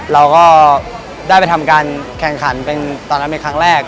เราก็ได้ไปทำการแข่งขันเป็นตอนนั้นเป็นครั้งแรก